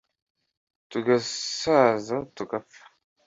tugasaza tugapfa